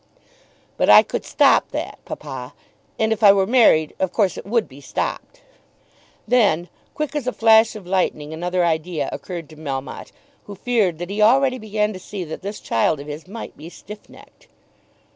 "But I could stop that, papa, and if I were married, of course it would be stopped." Then, quick as a flash of lightning, another idea occurred to Melmotte, who feared that he already began to see that this child of his might be stiff necked.